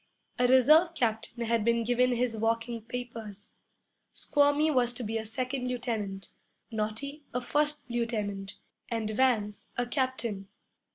A reserve captain had been given his walking papers. Squirmy was to be a second lieutenant; Naughty, a first lieutenant; and Vance, a captain.